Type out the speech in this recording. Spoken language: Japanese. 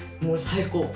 もう最高！